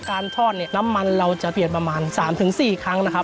การทอดเนี่ยน้ำมันเราจะเปลี่ยนประมาณ๓๔ครั้งนะครับ